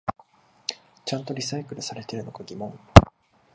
ちゃんとリサイクルされてるのか疑問